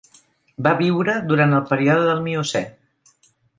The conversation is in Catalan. Va viure durant el període del Miocè.